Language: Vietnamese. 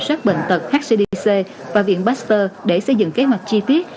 sát bệnh tật hcdc và viện pasteur để xây dựng kế hoạch chi tiết